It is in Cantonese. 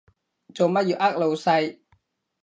做乜要呃老細？